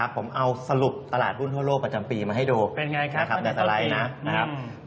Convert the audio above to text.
ผมเอาสรุปตลาดหุ้นทั่วโลกประจำปีมาให้ดูในสไลด์นะครับ